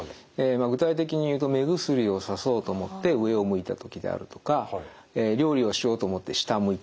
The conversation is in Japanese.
具体的に言うと目薬をさそうと思って上を向いたときであるとか料理をしようと思って下を向いたときとかですね